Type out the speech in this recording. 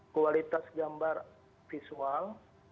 kualitas gambar visual